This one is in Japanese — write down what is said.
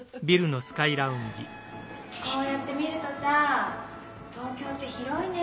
こうやって見るとさ東京って広いね。